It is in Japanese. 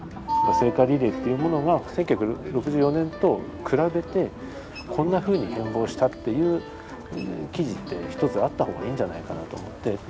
聖火リレーっていうものが１９６４年と比べてこんなふうに変貌したっていう記事ってひとつあった方がいいんじゃないかなと思って。